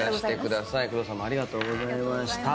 工藤さんもありがとうございました。